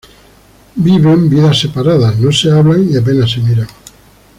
Viven vidas separadas, no se hablan y apenas se miran.